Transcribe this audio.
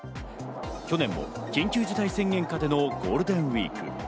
去年も緊急事態宣言下でのゴールデンウイーク。